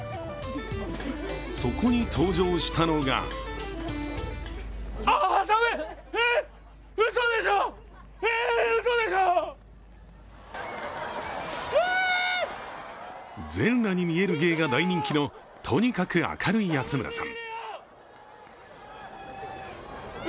そこに登場したのが全裸に見える芸が大人気のとにかく明るい安村さん。